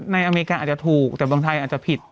อเมริกาอาจจะถูกแต่เมืองไทยอาจจะผิด